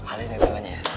alihin tangannya ya